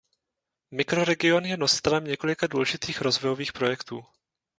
Mikroregion je nositelem několika důležitých rozvojových projektů.